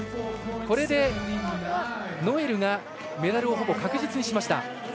これで、ノエルがメダルをほぼ確実にしました。